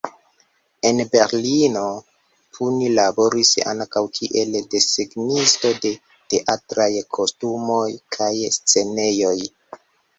En Berlino, Puni laboris ankaŭ kiel desegnisto de teatraj kostumoj kaj scenejoj.